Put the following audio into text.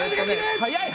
早い！